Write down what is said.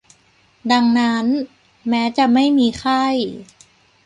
ดังนั้น แม้จะไม่มีไข้